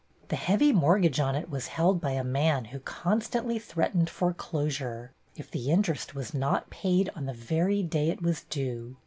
The heavy mort gage on it was held by a man who constantly threatened foreclosure if the interest was not paid on the very day it was due.